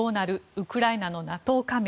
ウクライナのＮＡＴＯ加盟。